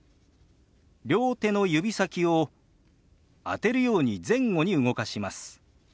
両手の指先を当てるように前後に動かします。